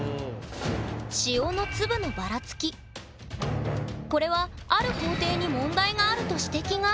塩のこれはある工程に問題があると指摘が！